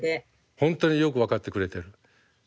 本当によく分かってくれてる。